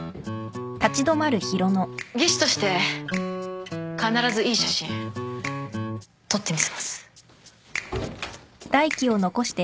技師として必ずいい写真撮ってみせます。